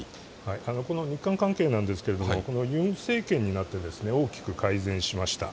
この日韓関係なんですがユン政権になって大きく改善しました。